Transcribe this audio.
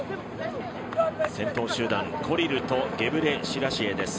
先頭集団、コリルとゲブレシラシエです。